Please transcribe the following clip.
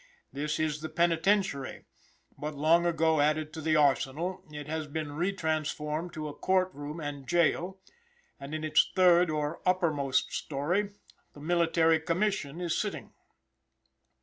This was a penitentiary, but, long ago added to the arsenal, it has been re transformed to a court room and jail, and in its third, or uppermost story, the Military Commission is sitting.